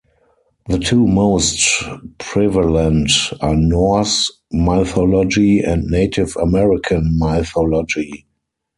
The two most prevalent are Norse mythology and Native American mythology.